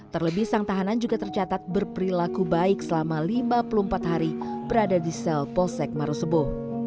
terlebih sang tahanan juga tercatat berperilaku baik selama lima puluh empat hari berada di sel polsek marosebo